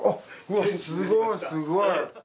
うわっすごいすごい！